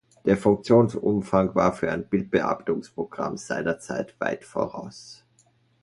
Der Funktionsumfang war für ein Bildbearbeitungsprogramm seiner Zeit weit voraus.